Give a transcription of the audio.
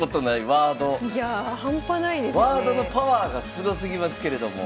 ワードのパワーがすごすぎますけれども。